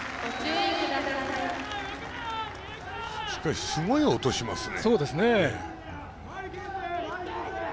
しかし、すごい音しますね。